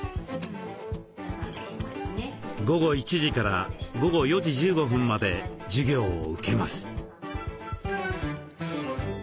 午後１時から午後４時１５分まで授業を受けます。